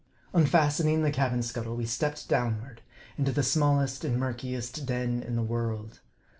Unfastening the cabin scuttle, we stepped downward into the smallest and murkiest den in the world.